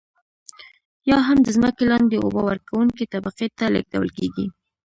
یا هم د ځمکې لاندې اوبه ورکونکې طبقې ته لیږدول کیږي.